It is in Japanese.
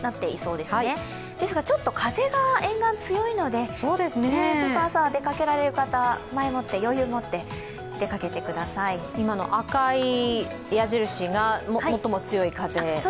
ですがちょっと風が沿岸は強いので、朝、出かけられる方は前もって、余裕を持って今の赤い矢印が最も強い風？